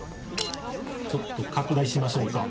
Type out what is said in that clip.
ちょっと拡大しましょうか。